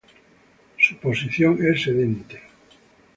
Su posición es sedente.